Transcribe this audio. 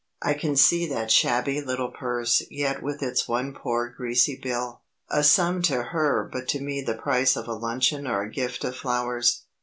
I can see that shabby little purse yet with its one poor greasy bill; a sum to her but to me the price of a luncheon or a gift of flowers.